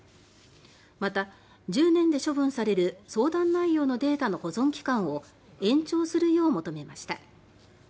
また１０年で処分される相談内容のデータの保存期間を延長するよう求めました。